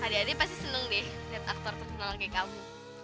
adek adek pasti seneng deh liat aktor terkenal kayak kamu